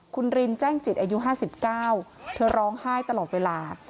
คุณรินแจ้งจิตอายุ๕๙เธอร้องไห้ตลอดเวลา